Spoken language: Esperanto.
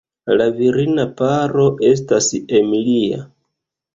La virina paro estas Emilia.